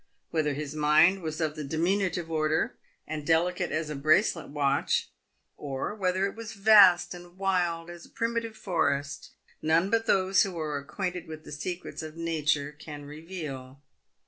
Whether his mind was of the diminutive order, and delicate as a bracelet watch, or whether it was vast and wild as a primitive forest, none but those who are acquainted with the secrets of nature can reveal.